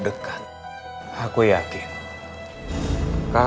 kekadukan untuk menikah